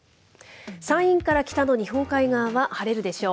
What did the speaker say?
山陰から北の日本海側は晴れるでしょう。